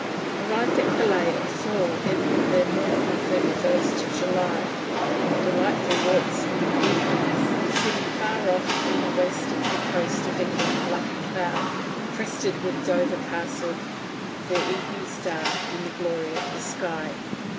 Arrived at Calais at four in the morning of 31st July. Delightful walks in the evenings, seeing far off in the west the coast of England like a cloud, crested with Dover Castle, the evening star, and the glory of the sky.